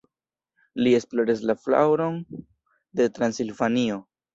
Li esploris la flaŭron de Transilvanio.